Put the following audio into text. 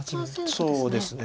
そうですね。